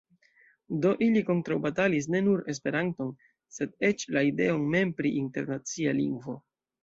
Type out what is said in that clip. Do, ili kontraŭbatalis ne nur Esperanton, sed eĉ la ideon mem pri internacia lingvo.